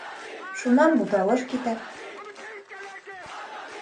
Шунан буталыш китә.